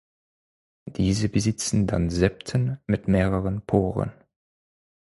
Diese besitzen dann Septen mit mehreren Poren.